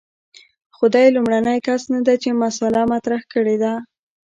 خو دی لومړنی کس نه دی چې مسأله مطرح کړې ده.